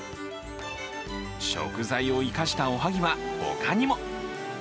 食材を生かしたおはぎは他にも。